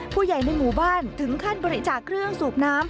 ผู้ใหญ่ในหมู่บ้านถึงขั้นบริจาคเครื่องสูบน้ำ